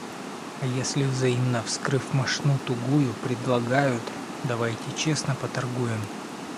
А если взаимно, вскрыв мошну тугую, предлагают: – Давайте честно поторгуем!